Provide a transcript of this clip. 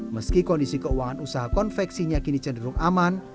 meski kondisi keuangan usaha konveksinya kini cenderung aman